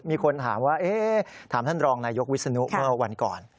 มีคนถามว่าถามท่านรองนายกวิศนุเมื่อวันก่อน